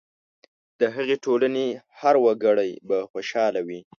د هغې ټولنې هر وګړی به خوشاله وي.